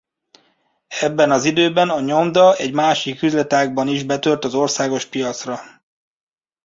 Ebben az időben a nyomda egy másik üzletágban is betört az országos piacra.